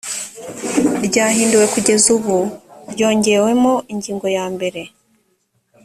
ryahinduwe kugeza ubu ryongewemo ingingo ya mbere